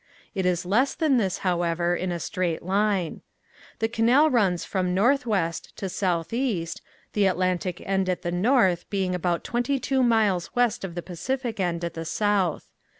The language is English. It is less than this, however, in a straight line. The canal runs from northwest to southeast, the Atlantic end at the north being about twenty two miles west of the Pacific end at the south.